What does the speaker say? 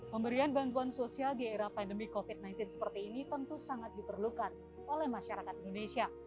pemberian bantuan sosial di era pandemi covid sembilan belas seperti ini tentu sangat diperlukan oleh masyarakat indonesia